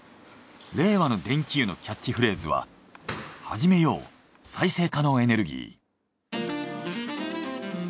令和の電気湯のキャッチフレーズは「はじめよう再生可能エネルギー」。